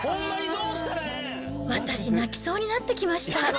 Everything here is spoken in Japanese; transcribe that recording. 私、泣きそうになってきました。